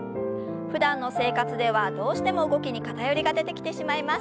ふだんの生活ではどうしても動きに偏りが出てきてしまいます。